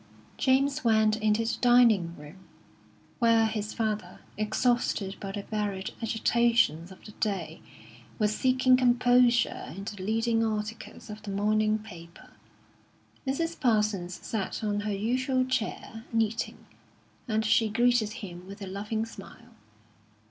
James went into the dining room, where his father, exhausted by the varied agitations of the day, was seeking composure in the leading articles of the morning paper. Mrs. Parsons sat on her usual chair, knitting, and she greeted him with a loving smile.